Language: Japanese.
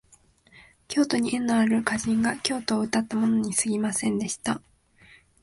京都に縁のある歌人が京都をうたったものにすぎませんでした